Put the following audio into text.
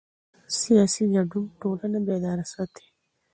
سیاسي ګډون ټولنه بیداره ساتي